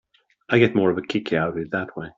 I get more of a kick out of it that way.